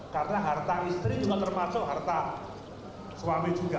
karena harta istri juga termasuk harta suami juga